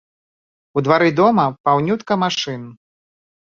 У двары дома паўнютка машын.